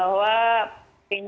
kita belajar untuk positive thinking